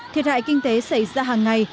thiệt hại kinh tế xảy ra hàng ngày